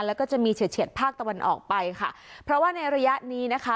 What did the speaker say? แล้วก็จะมีเฉียดภาคตะวันออกไปค่ะเพราะว่าในระยะนี้นะคะ